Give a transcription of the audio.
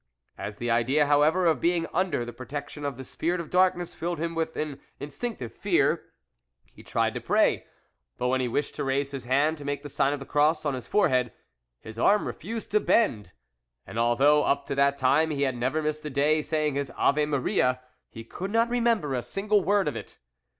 As the idea, however, of being under the protection of the spirit of darkness filled him with an instinctive fear, he tried to pray ; but when he wished to raise his hand to make the sign of the cross on his forehead, his arm refused to bend, and although up to that time he had never missed a day saying his Ave Maria, he could not remember a single word of it.